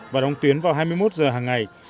và đóng tuyến vào hai mươi một giờ hàng ngày